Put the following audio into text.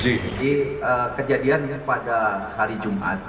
jadi kejadian pada hari jumat